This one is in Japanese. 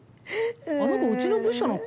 あの子うちの部署の子。